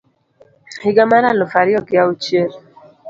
higa mar aluf ariyo gi Auchiel